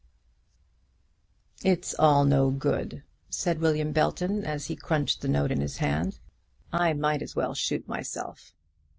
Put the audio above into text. "It's all no good," said William Belton, as he crunched the note in his hand. "I might as well shoot myself.